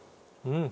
うん！